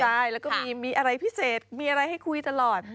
ใช่แล้วก็มีอะไรพิเศษมีอะไรให้คุยตลอด